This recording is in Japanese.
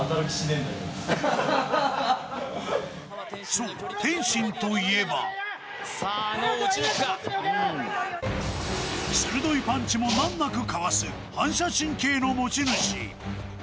そう、天心といえば鋭いパンチも難なくかわす反射神経の持ち主。